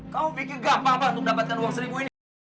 kau pikir gak apa apa untuk mendapatkan uang seribu ini